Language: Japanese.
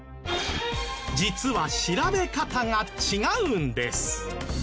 実は調べ方が違うんです！